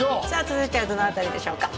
続いてはどの辺りでしょうか？